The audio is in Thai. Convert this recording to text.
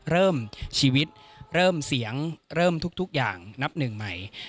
เริ่มชีวิตเริ่มเสียงเริ่มทุกอย่างนับหนึ่งใหม่